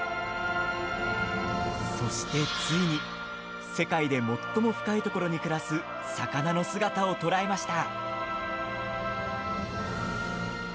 そして、ついに世界で最も深いところに暮らす魚の姿を捉えました。